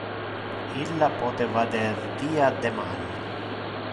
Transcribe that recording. Illa pote vader via deman.